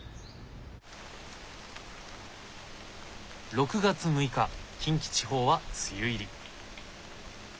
６月６日近畿地方は梅雨入り。